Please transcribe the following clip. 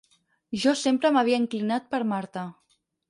Jo sempre m'havia inclinat per Marta.